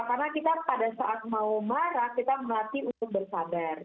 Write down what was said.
karena kita pada saat mau marah kita melatih untuk bersadar